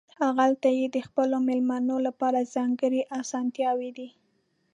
هغلته یې د خپلو مېلمنو لپاره ځانګړې اسانتیاوې دي.